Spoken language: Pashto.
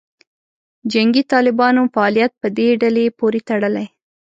جنګي طالبانو فعالیت په دې ډلې پورې تړلې.